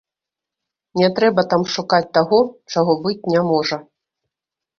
Не трэба там шукаць таго, чаго быць не можа.